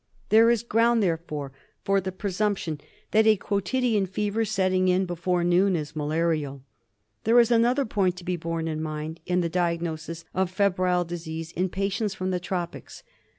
There is ground, therefore, for the presump tion that a quotidian fever setting in before noon is malarial. There is another point to be borne in mind in the diagnosis of febrile disease in patients from the tropics.